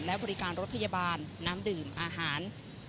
และบริการรถพยาบาลน้ำดื่มอาหาร